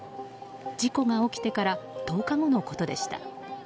事故が起きてから１０日後のことでした。